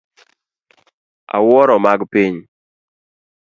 Awuoro mag piny